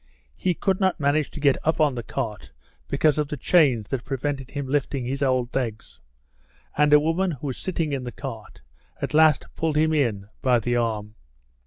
He could not manage to get up on the cart because of the chains that prevented his lifting his old legs, and a woman who was sitting in the cart at last pulled him in by the arm.